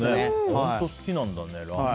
本当好きなんだね。